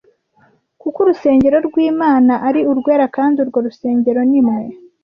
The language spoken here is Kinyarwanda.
kuko urusengero rw’Imana ari urwera kandi urwo rusengero ni mwe